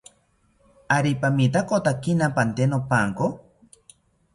¿Ari pamitakotakina pante nopanko?